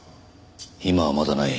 今はまだない。